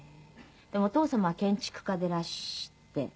でもお父様は建築家でいらして。